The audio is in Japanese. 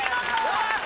よし！